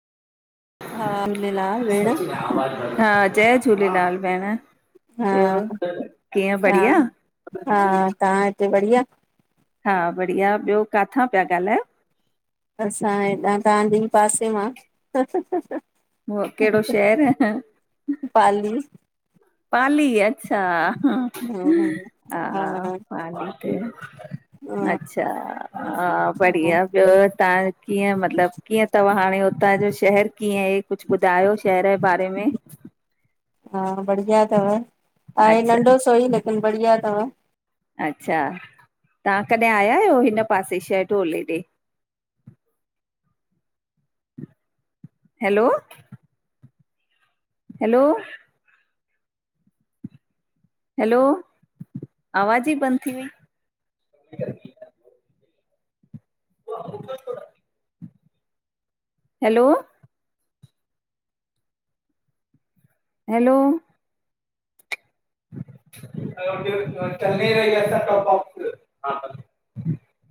हा झूलेलाल भेण हा जय झूलेलाल भेण। हा कीअं हा बढ़िया? हा तव्हां हिते बढ़िया? हा बढ़िया ॿियो काथां पिया ॻाल्हायो? असां हेॾां तव्हांजे पासे मां हो केड़ो शहर? पाली। पाली अचछा ह हा हा पाली ते। अच्छा हा बढ़िया ॿियो तव्हां कीअं मतलब कीअं तव हाणे हुतां जो शहर कीअं हे कुझ ॿुधायो शहर जे बारे में? हा बढ़िया तव आहे अच्छा नंढो सो ई लेकिन बढ़िया तव। अच्छा तव्हां कॾह आया यो हिन पासे शहडोल हेडे? हैलो? हैलो? हैलो आवाज ई बंद थी वई। हैलो? हैलो? चन्नई र टॉप ऑफ हा [unintelligible]